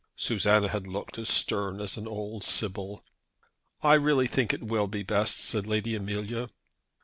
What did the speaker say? Susanna had looked as stern as an old sibyl. "I really think it will be best," said Lady Amelia.